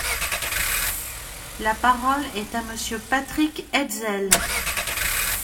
La parole est à Monsieur Patrick Hetzel.